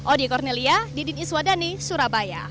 odi kornelia didin iswadani surabaya